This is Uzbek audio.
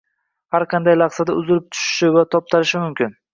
– har qanday lahzada uzilib tushishi va toptalishi mumkin.